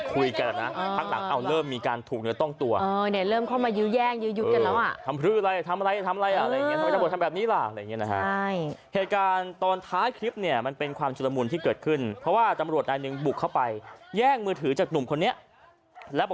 ไปดูคลิปที่เขาถ่ายไว้หน่อยครับ